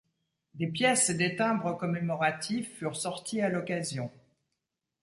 Des pièces et des timbres commémoratifs furent sortis à l’occasion.